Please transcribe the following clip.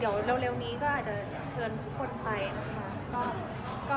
เดี๋ยวเร็วนี้ก็อาจจะเชิญทุกคนไปนะคะ